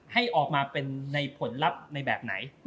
ให้ออกมาเป็นในผลลัพธ์ในแบบไหน